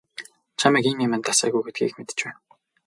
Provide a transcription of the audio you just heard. Чамайг ийм юманд дасаагүй гэдгийг мэдэж байна.